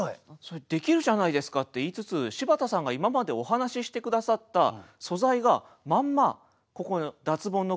「できるじゃないですか」って言いつつ柴田さんが今までお話しして下さった素材がまんまここに脱ボンの句とし